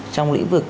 trong lĩnh vực